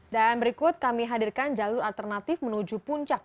dan berikut kami hadirkan jalur alternatif menuju puncak